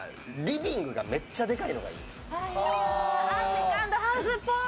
セカンドハウスっぽい！